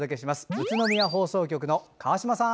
宇都宮放送局の川島さん！